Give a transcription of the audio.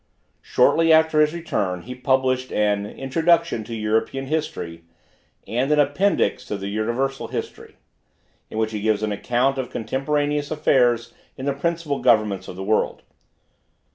Shortly after his return he published an "Introduction to European History," and an "Appendix to the Universal History," in which he gives an account of contemporaneous affairs in the principal governments of the world.